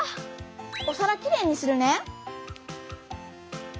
おさらきれいにするね。